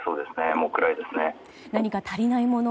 何か足りないもの